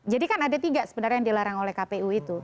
jadi kan ada tiga sebenarnya yang dilarang oleh kpu itu